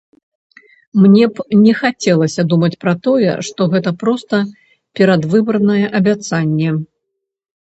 Мне б не хацелася думаць пра тое, што гэта проста перадвыбарнае абяцанне.